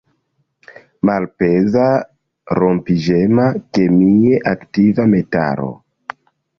Malpeza, rompiĝema, kemie aktiva metalo.